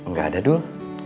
gak ada dul